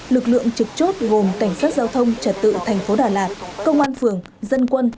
lực lượng trực chốt gồm cảnh sát giao thông trật tự tp đà lạt công an phường dân quân